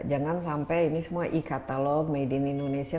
jangan sampai ini semua e katalog made in indonesia